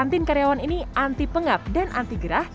kantin karyawan ini anti pengap dan anti geram